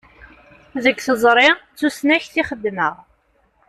Deg teẓṛi, d tusnakt i xeddmeɣ.